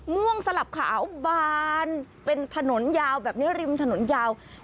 ม่วงสลับขาวบานเป็นถนนยาวแบบนี้ริมถนนยาว